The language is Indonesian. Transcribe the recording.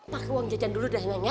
paket uang jajan dulu dah neng ya